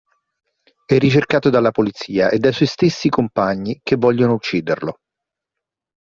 È ricercato dalla polizia e dai suoi stessi compagni, che vogliono ucciderlo.